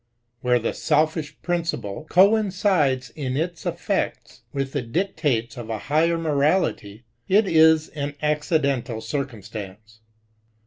Where the Selfish Principle coincides in its effects with the dictates of a higher morality, it is an accidental cir cunistance.